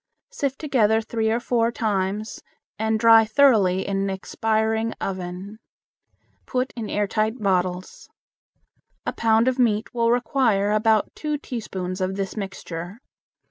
Sift together three or four times and dry thoroughly in an expiring oven. Put in air tight bottles. A pound of meat will require about two teaspoons of this mixture.